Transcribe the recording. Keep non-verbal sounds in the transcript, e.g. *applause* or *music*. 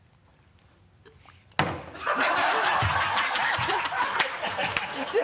ハハハ *laughs*